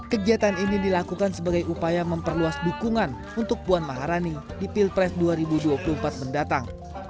kegiatan ini dilakukan sebagai upaya memperluas dukungan untuk puan maharani di pilpres dua ribu dua puluh empat mendatang